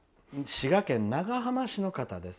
滋賀県長浜市の方です。